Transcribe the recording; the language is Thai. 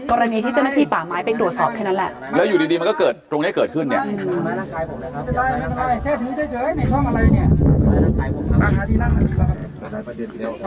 กรณีที่เจ้าหน้าที่ป่าไม้ไปตรวจสอบแค่นั้นแหละแล้วอยู่ดีมันก็เกิดตรงนี้เกิดขึ้นเนี่ย